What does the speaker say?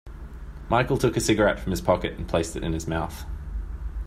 Michael took a cigarette from his pocket and placed it in his mouth.